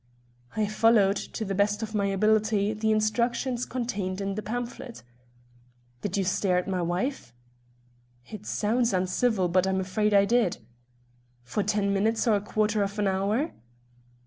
"I followed, to the best of my ability, the instructions contained in the pamphlet." "Did you stare at my wife?" "It sounds uncivil, but I'm afraid I did." "For ten minutes or a quarter of an hour?"